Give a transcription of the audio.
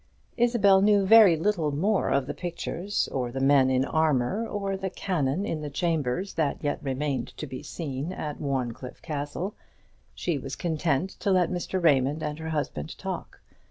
Isabel knew very little more of the pictures, or the men in armour, or the cannon in the chambers that yet remained to be seen at Warncliffe Castle. She was content to let Mr. Raymond and her husband talk.